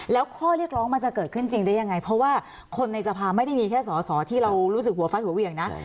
แล้วข้อเรียกร้องมันจะเกิดขึ้นจริงได้ยังไงเพราะว่าคนในสภาไม่ได้มีแค่สอสอที่เรารู้สึกหัวฟัดหัวเหวี่ยงนะ